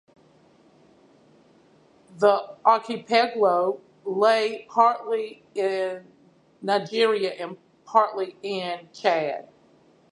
The archipelago lay partly in Nigeria and partly in Chad.